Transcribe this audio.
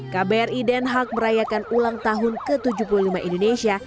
kbri den haag merayakan ulang tahun ke tujuh puluh lima indonesia